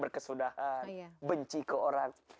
berkesudahan benci ke orang